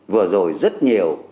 vừa rồi rất nhiều